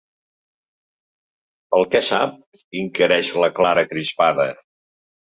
El què, sap? —inquireix la Clara, crispada.